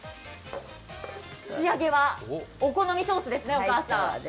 仕上げは、お好みソースですね。